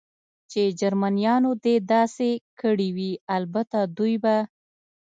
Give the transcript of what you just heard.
چې جرمنیانو دې داسې کړي وي، البته دوی به.